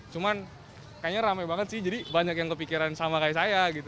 cuman kayaknya rame banget sih jadi banyak yang kepikiran sama kayak saya gitu